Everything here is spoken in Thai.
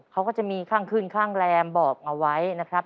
เขาก็จะมีข้างขึ้นข้างแรมบอกเอาไว้นะครับ